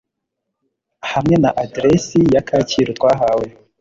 Hamwe na aderesi ya kacyiru twahawe